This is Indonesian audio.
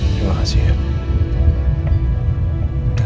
terima kasih ya